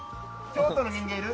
京都の人間、いる？